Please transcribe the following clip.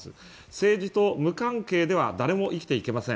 政治と無関係では誰も生きていけません。